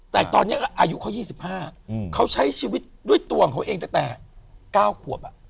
แต่ตอนนี้อายุเขา๒๕เขาใช้ชีวิตด้วยตัวของเขาเองตั้งแต่๙ขวบ